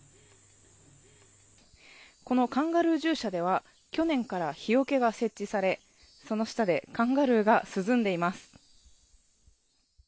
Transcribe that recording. このカンガルー獣舎では去年から日よけが設置されその下でカンガルーが涼んでいます。